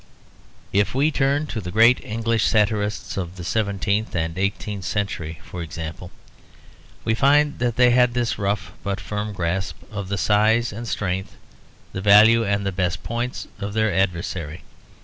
If we turn to the great English satirists of the seventeenth and eighteenth centuries, for example, we find that they had this rough, but firm, grasp of the size and strength, the value and the best points of their adversary.